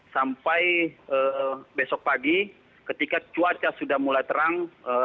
sampai besok pagi ketika cuaca sudah mulai terang